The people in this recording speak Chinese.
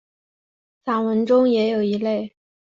散文中也有一类。